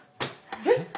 えっ⁉